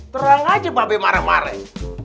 terang aja babe marah marah